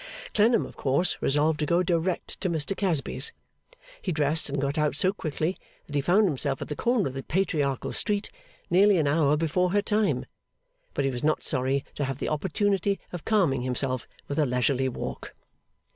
Clennam, of course, resolved to go direct to Mr Casby's. He dressed and got out so quickly that he found himself at the corner of the patriarchal street nearly an hour before her time; but he was not sorry to have the opportunity of calming himself with a leisurely walk.